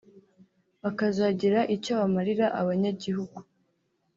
bakazagira icyo bamarira abanyagihugu